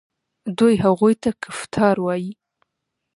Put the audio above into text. دوی هغوی ته کفتار وايي.